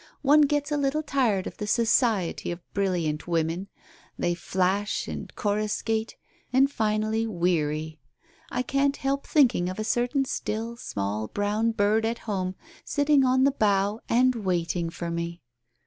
One gets a little tired of the society of brilliant women — they flash and coruscate — and finally weary. I can't help thinking of a certain still small brown bird at home sitting on the bough, and waiting for me.'